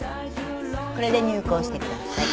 これで入稿してください。